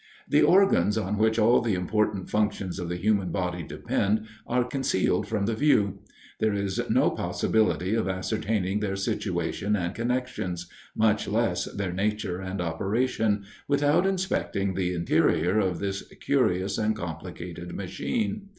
The organs on which all the important functions of the human body depend, are concealed from the view. There is no possibility of ascertaining their situation and connections, much less their nature and operation, without inspecting the interior of this curious and complicated machine.